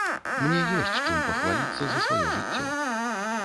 Мне ёсць чым пахваліцца за сваё жыццё.